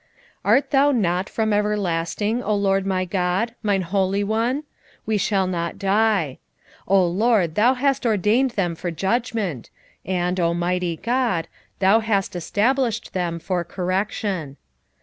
1:12 Art thou not from everlasting, O LORD my God, mine Holy One? we shall not die. O LORD, thou hast ordained them for judgment; and, O mighty God, thou hast established them for correction.